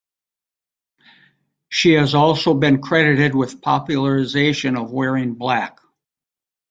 She has also been credited with popularisation of wearing black.